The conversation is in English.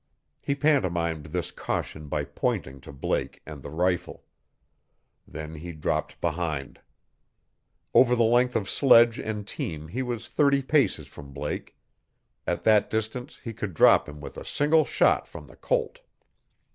He pantomimed this caution by pointing to Blake and the rifle. Then he dropped behind. Over the length of sledge and team he was thirty paces from Blake. At that distance he could drop him with a single shot from the Colt.